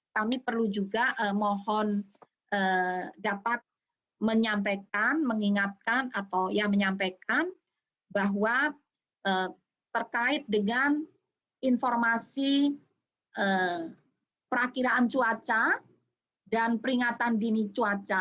kami perlu juga mohon dapat menyampaikan mengingatkan atau ya menyampaikan bahwa terkait dengan informasi perakiraan cuaca dan peringatan dini cuaca